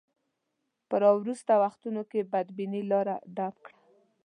په راوروسته وختونو کې بدبینۍ لاره ډب کړه.